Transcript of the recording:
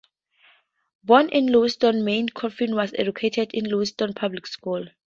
Born in Lewiston, Maine, Coffin was educated in Lewiston's public schools.